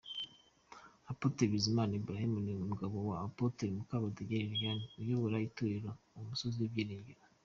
Apôtre Bizimana Abraham ni umugabo wa Apôtre Mukabadege Liliane uyobora Itorero “Umusozi w’Ibyiringiro”.